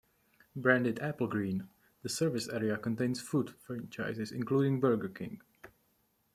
Branded "Applegreen" the service area contains food franchises including Burger King.